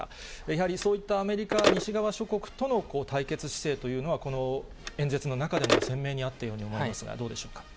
やはりそういったアメリカ、西側諸国との対決姿勢というのは、この演説の中でも鮮明にあったように思いますが、どうでしょうか。